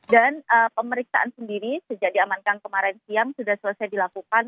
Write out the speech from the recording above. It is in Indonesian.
dan pemeriksaan sendiri sejak diamankan kemarin siang sudah selesai dilakukan